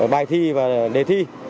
bài thi và đề thi